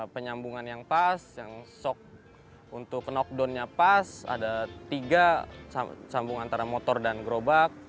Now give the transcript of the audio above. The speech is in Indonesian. penyambungan yang pas yang sok untuk knockdownnya pas ada tiga sambung antara motor dan gerobak